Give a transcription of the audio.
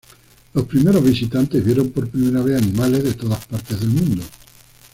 Los primeros visitantes vieron por primera vez animales de todas partes del mundo.